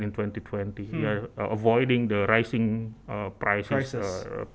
mengelakkan tekanan harga yang menaik